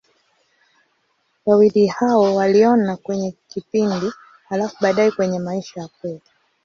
Wawili hao waliona kwenye kipindi, halafu baadaye kwenye maisha ya kweli.